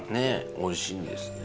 おいしいんですね